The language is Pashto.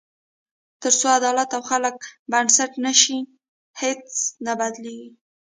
تر څو عدالت او خلک بنسټ نه شي، هیڅ نه بدلېږي.